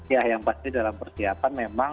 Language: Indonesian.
ya yang pasti dalam persiapan memang